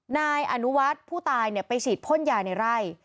นายอนุวัฒน์ผู้ตายไปฉีดพ่นยาในไร่